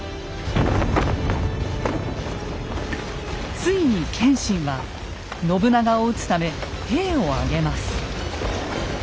ついに謙信は信長を討つため兵を挙げます。